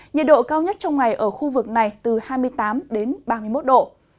nhiệt độ cao nhất trong ngày ở khu vực này từ hai mươi tám đến ba mươi một độ